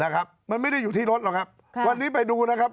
นะครับมันไม่ได้อยู่ที่รถหรอกครับค่ะวันนี้ไปดูนะครับ